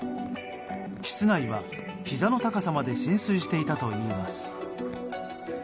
室内は、ひざの高さまで浸水していたといいます。